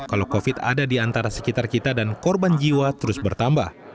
kalau covid ada di antara sekitar kita dan korban jiwa terus bertambah